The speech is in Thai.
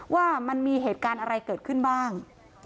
ว่ามันมีเหตุการณ์อะไรเกิดขึ้นบ้าง